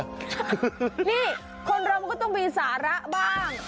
นี่คนเรามันก็ต้องมีสาระบ้าง